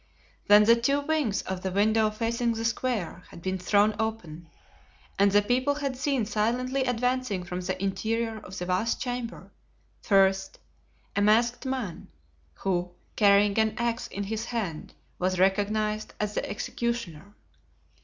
Then the two wings of the window facing the square had been thrown open, and the people had seen silently advancing from the interior of the vast chamber, first, a masked man, who, carrying an axe in his hand, was recognized as the executioner.